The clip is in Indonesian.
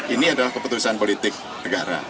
ini adalah keputusan politik negara